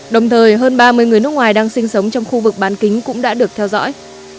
đồng thời hơn ba mươi người nước ngoài đang sinh sống trong khu vực bán kính cũng đã được theo dõi